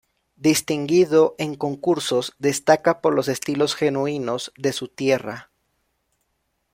Distinguido en concursos, destaca por los estilos genuinos de su tierra.